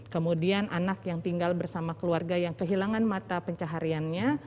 kemudian anak yang tinggal bersama keluarga yang kehilangan mata pencahariannya